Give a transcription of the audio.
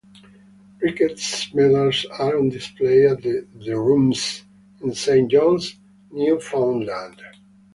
Ricketts' medals are on display at the The Rooms in Saint John's, Newfoundland.